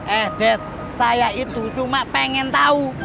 eh dad saya itu cuma pengen tau